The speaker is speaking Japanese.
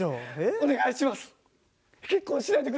お願いします！